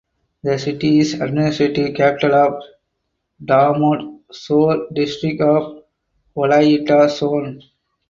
The city is administrative capital of Damot Sore district of Wolayita Zone.